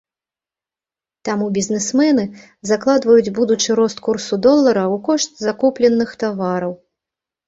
Таму бізнэсмэны закладваюць будучы рост курсу долара ў кошт закупленых тавараў.